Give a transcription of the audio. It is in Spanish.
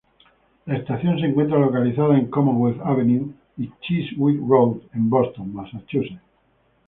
La estación se encuentra localizada en Commonwealth Avenue y Chiswick Road en Boston, Massachusetts.